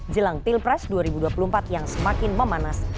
jelang pilpres dua ribu dua puluh empat yang semakin memanas